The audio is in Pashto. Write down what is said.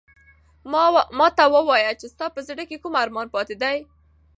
ما ته وایه چې ستا په زړه کې کوم ارمان پاتې دی؟